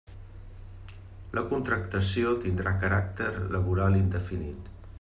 La contractació tindrà caràcter laboral indefinit.